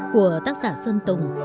của tác giả sơn tùng